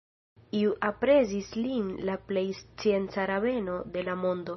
Iu aprezis lin la plej scienca rabeno de la mondo.